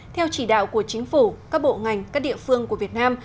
theo chỉ đạo của chính phủ các bộ ngành các địa phương của việt nam